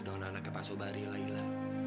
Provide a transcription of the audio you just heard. dengan anaknya pak sobari laila